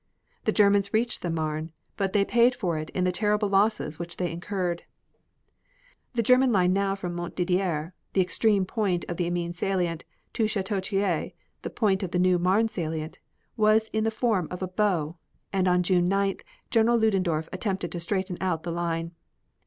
The Germans reached the Marne, but they paid for it in the terrible losses which they incurred. The German line now from Montdidier, the extreme point of the Amiens salient, to Chateau Thierry, the point of the new Marne salient, was in the form of a bow, and on June 9th General Ludendorf attempted to straighten out the line.